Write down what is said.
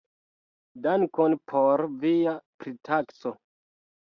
Dankon por via pritakso.